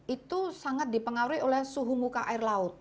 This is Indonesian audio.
itu sangat dipengaruhi oleh suhu muka air laut